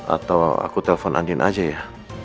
atau aku telpon andin aja ya